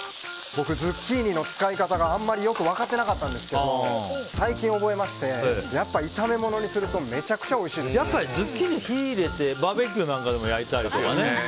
僕、ズッキーニの使い方があまりよく分かってなかったんですけど最近覚えましてやっぱり炒め物にするとズッキーニに火を入れてバーベキューなんかでも焼いたりとかね。